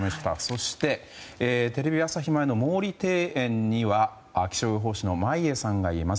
そしてテレビ朝日前の毛利庭園には気象予報士の眞家さんがいます。